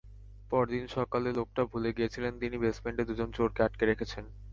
পরদিন সকালে লোকটা ভুলে গিয়েছিলেন, তিনি বেসমেন্টে দুজন চোরকে আটকে রেখেছেন।